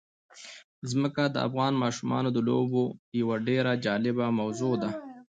ځمکه د افغان ماشومانو د لوبو یوه ډېره جالبه موضوع ده.